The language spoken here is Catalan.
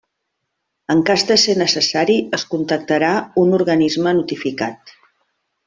En cas de ser necessari es contactarà un organisme notificat.